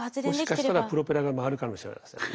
もしかしたらプロペラが回るかもしれませんね。